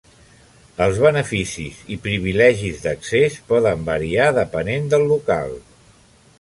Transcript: Els beneficis i privilegis d'accés poden variar depenent del local.